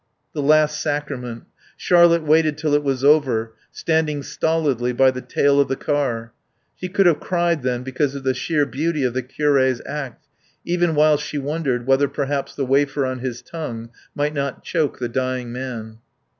The Last Sacrament. Charlotte waited till it was over, standing stolidly by the tail of the car. She could have cried then because of the sheer beauty of the curé's act, even while she wondered whether perhaps the wafer on his tongue might not choke the dying man.